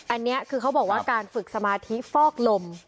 อันนี้คือเขาบอกว่าการฝึกสมาธิฟอกลม